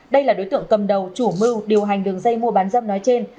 đây là đối tượng cầm đầu chủ mưu điều hành đường dây mua bán dâm nói trên